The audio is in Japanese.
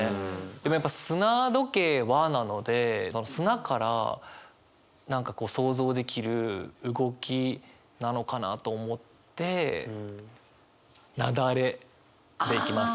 でもやっぱ「砂時計は」なので砂から何かこう想像できる動きなのかなと思って「雪崩」でいきます。